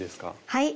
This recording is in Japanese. はい！